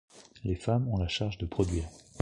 Les femmes ont la charge de produire.